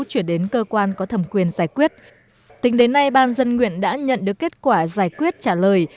chuyển đến cơ quan có thẩm quyền giải quyết tính đến nay ban dân nguyện đã nhận được kết quả giải quyết trả lời